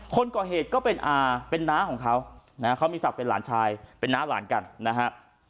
คนก่อเหตุก็เป็นอาเป็นน้าของเขานะฮะเขามีศักดิ์เป็นหลานชายเป็นน้าหลานกันนะฮะ